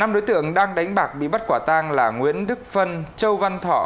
năm đối tượng đang đánh bạc bị bắt quả tang là nguyễn đức phân châu văn thọ